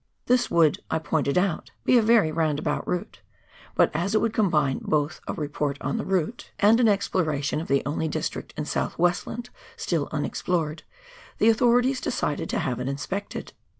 This would, I pointed out, be a very round about route ; but as it would combine both a report on the route and 180 PIONEER WOEK IN THE ALPS OF NEW ZEALAND. an exploration of tlie only district in Soutli Westland still unexplored, the authorities decided to have it inspected.